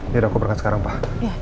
biar aku berangkat sekarang pak